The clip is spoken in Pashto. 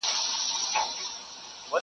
زورولي مي دي خلک په سل ګونو!!